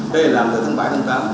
thế thì làm từ tháng bảy tháng tám